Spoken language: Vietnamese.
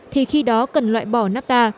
thì khi đó cần loại bỏ nafta